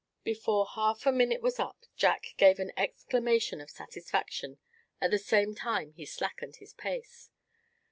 Before half the minute was up Jack gave an exclamation of satisfaction; at the same time he slackened his pace.